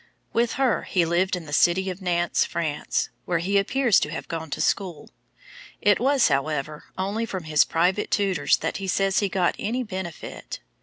With her he lived in the city of Nantes, France, where he appears to have gone to school. It was, however, only from his private tutors that he says he got any benefit.